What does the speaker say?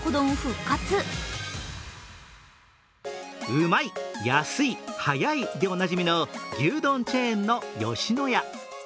うまい、やすい、はやいでおなじみの牛丼チェーンの吉野家。